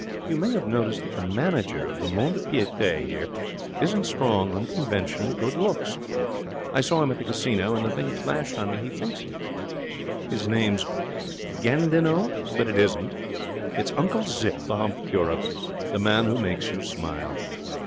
You may have noticed that the manager of the mont de piete here isn't strong on conventional good looks. I saw him at the casino, and the thing flashed on me. He thinks his name's Gandinot, but it isn't. It's Uncle Zip, the Hump Curer, the Man who Makes You Smile.'